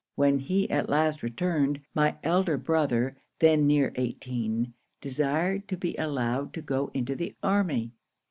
'When he last returned, my elder brother, then near eighteen, desired to be allowed to go into the army.